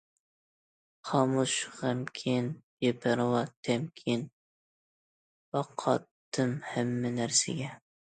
خامۇش، غەمكىن، بىپەرۋا، تەمكىن باقاتتىم ھەممە نەرسىگە.